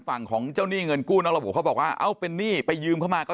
ฝั่งของเจ้าหนี้เงินกู้นอกระบบเขาบอกว่าเอ้าเป็นหนี้ไปยืมเข้ามาก็